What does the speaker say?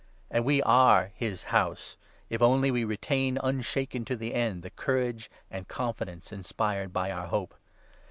And we are his House — if only we retain, unshaken to the end, the courage and confidence inspired by our hope.